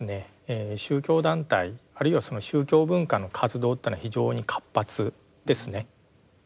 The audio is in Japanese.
宗教団体あるいはその宗教文化の活動というのは非常に活発ですね。